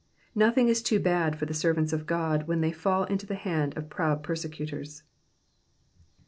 Kothing is too barl for the servants of God when they fall into the hands cf proud persecutors.